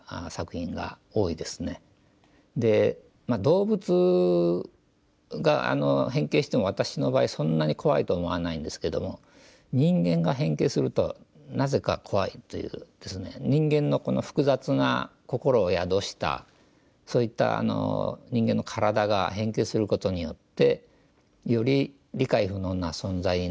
で動物が変形しても私の場合そんなに怖いと思わないんですけども人間が変形するとなぜか怖いというですね人間のこの複雑な心を宿したそういった人間の体が変形することによってより理解不能な存在になると。